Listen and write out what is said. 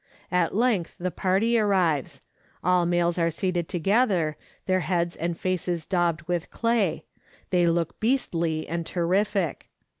At length the party arrives ; all males are seated together, their heads and faces daubed with clay; they look beastly and terrific.